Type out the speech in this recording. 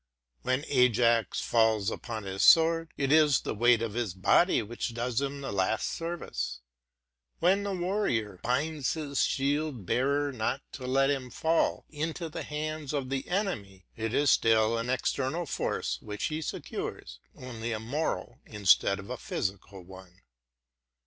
When Ajax falls upon his sword, it is the weight of his body which does him the last service. When the warrior binds his shield bearer not to let him fall into the hands of the enemy, it is still an external force which he secures, only a moral instead of a physical one.